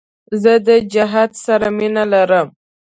زه د جهاد سره مینه لرم.